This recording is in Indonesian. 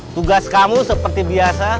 tugas kamu seperti biasa